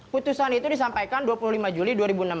putusan itu disampaikan dua puluh lima juli dua ribu enam belas